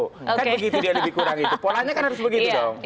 kan begitu dia lebih kurang itu polanya kan harus begitu dong